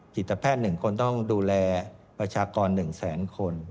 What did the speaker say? จิตแพทย์๑คนต้องดูแลประชากร๑แสนคน